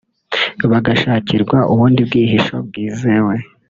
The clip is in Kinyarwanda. bagashakirwa ubundi bwihisho bwizewe